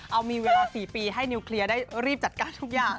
เอามีเวลา๔ปีให้นิวเคลียร์ได้รีบจัดการทุกอย่าง